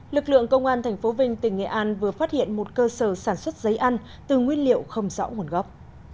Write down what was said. lực lượng công an tp vinh tỉnh nghệ an vừa phát hiện một cơ sở sản xuất giấy ăn từ nguyên liệu không rõ nguồn gốc